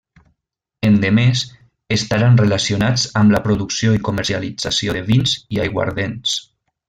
Endemés, estaran relacionats amb la producció i comercialització de vins i aiguardents.